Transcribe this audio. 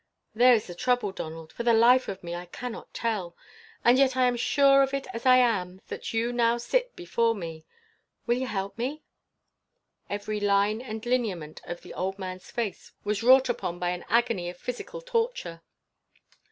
"There is the trouble, Donald. For the life of me I cannot tell, and yet I am as sure of it as I am that you now sit before me. Will you help me?" Every line and lineament of the old man's face was wrought upon by an agony of physical torture.